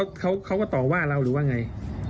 เขาก็ต่อว่าเราหรือว่าไง